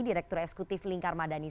direktur eksekutif lingkar madani